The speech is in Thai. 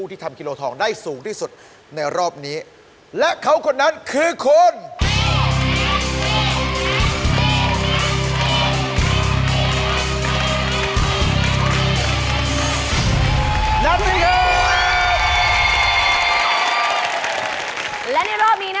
ตักให้ได้เยอะที่สุดนะครับแน่นอน